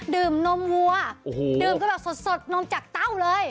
ดื่มก็แบบสดลงจากเต้าเลย